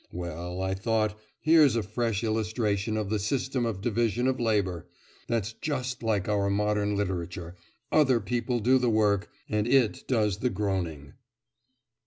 Well, I thought, here's a fresh illustration of the system of division of labour! That's just like our modern literature; other people do the work, and it does the groaning.